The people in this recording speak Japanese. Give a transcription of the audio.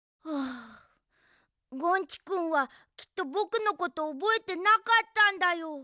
あゴンチくんはきっとぼくのことおぼえてなかったんだよ。